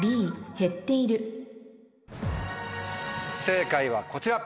正解はこちら。